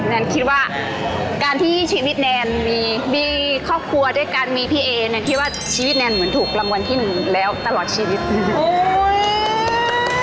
แนนคิดว่าการที่ชีวิตแนนมีครอบครัวด้วยกันมีพี่เอแนนคิดว่าชีวิตแนนเหมือนถูกรางวัลที่หนึ่งแล้วตลอดชีวิตนะครับ